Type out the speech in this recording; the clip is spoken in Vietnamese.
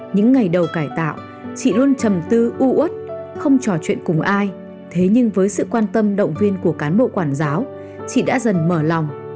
những ngày đầu cải tạo chị luôn chầm tư u ướt không trò chuyện cùng ai thế nhưng với sự quan tâm động viên của cán bộ quản giáo chị đã dần mở lòng